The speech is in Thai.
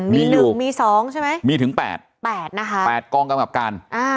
มีหนึ่งมีสองใช่ไหม